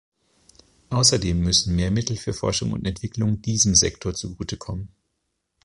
Außerdem müssen mehr Mittel für Forschung und Entwicklung diesem Sektor zugute kommen.